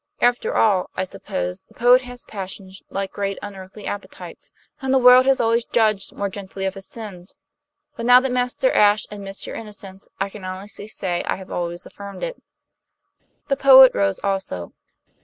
After all, I suppose, the poet has passions like great unearthly appetites; and the world has always judged more gently of his sins. But now that Mr. Ashe admits your innocence, I can honestly say I have always affirmed it." The poet rose also.